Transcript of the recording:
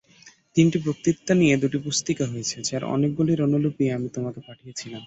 তিনটি বক্তৃতা নিয়ে দুটি পুস্তিকা হয়েছে, যার অনেকগুলির অনুলিপি আমি তোমাকে পাঠিয়েছিলাম।